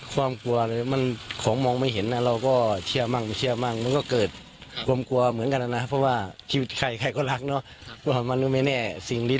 กลัวไหมผีแม่ม่ายพี่กลัวไหม